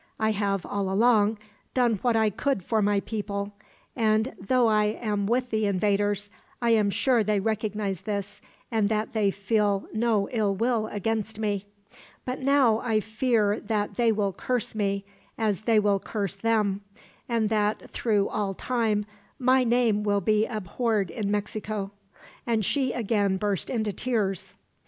I have, all along, done what I could for my people; and though I am with the invaders, I am sure they recognize this, and that they feel no ill will against me. But now I fear that they will curse me, as they will curse them; and that, through all time, my name will be abhorred in Mexico," and she again burst into tears.